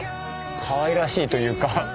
かわいらしいというか。